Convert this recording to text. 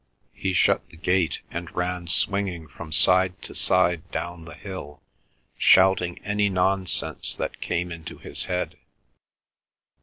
He shut the gate, and ran swinging from side to side down the hill, shouting any nonsense that came into his head.